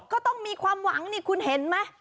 ก็ต้องมีความหวังนี่คุณเห็นไหม